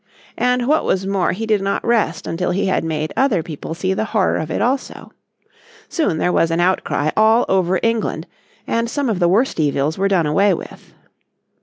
And what was more he did not rest until he had made other people see the horror of it also. Soon there was an outcry all over England, and some of the worst evils were done away with.